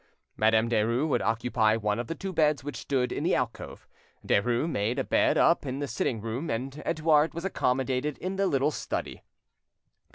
Madame Derues would occupy one of the two beds which stood in the alcove. Derues had a bed made up in the sitting room, and Edouard was accommodated in the little study.